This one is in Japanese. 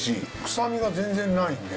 臭みが全然ないんで。